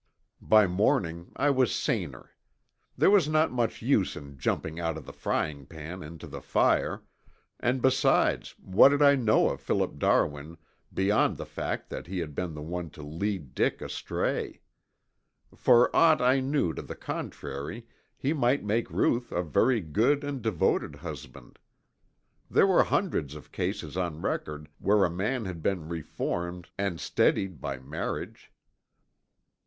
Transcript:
By morning I was saner. There was not much use in jumping out of the frying pan into the fire, and besides what did I know of Philip Darwin beyond the fact that he had been the one to lead Dick astray? For ought I knew to the contrary he might make Ruth a very good and devoted husband. There were hundreds of cases on record where a man had been reformed and steadied by marriage.